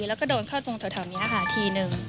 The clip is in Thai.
แล้วก็โดนเข้าตรงแถวนี้ค่ะทีนึง